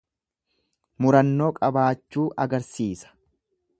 Murannoo qabaachuu agarsiisa.